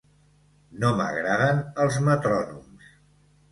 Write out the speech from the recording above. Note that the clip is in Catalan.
No m'agraden els metrònoms.